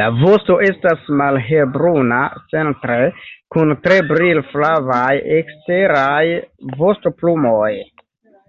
La vosto estas malhelbruna centre kun tre brilflavaj eksteraj vostoplumoj.